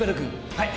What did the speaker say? はい。